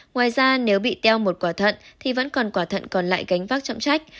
ngoài ra nếu bị teo một quả thận thì vẫn còn quả thận còn lại gánh vác trọng trách